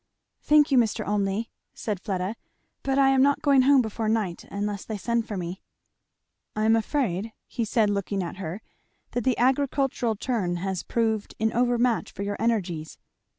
"Thank you, Mr. Olmney," said Fleda, "but I am not going home before night, unless they send for me." "I am afraid," said he looking at her, "that the agricultural turn has proved an over match for your energies."